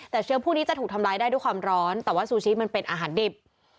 แต่เชื้อพวกนี้จะถูกทำร้ายได้ด้วยความร้อนแต่ว่าซูชิมันเป็นอาหารดิบ